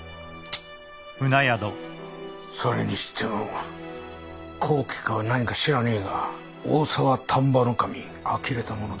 それにしても高家か何か知らねえが大沢丹波守あきれたものですね。